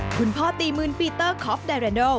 คุณพ่อตีมืนปีเตอร์คอฟไดเรนโด